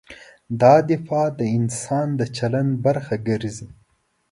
دا دفاع د انسان د چلند برخه ګرځي.